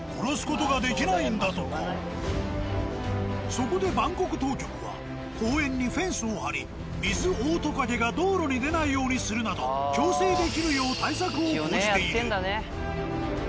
そこでバンコク当局は公園にフェンスを張りミズオオトカゲが道路に出ないようにするなど共生できるよう対策を講じている。